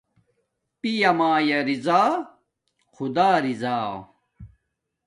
پیامایا رضا خدا راضا